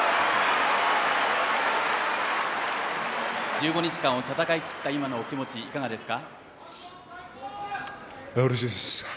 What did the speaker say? １５日間を戦い切った今のお気持ちいかがですか？